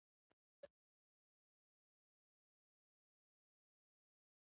هو موټر يې هم له ځان سره بيولی دی.